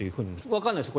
わかんないです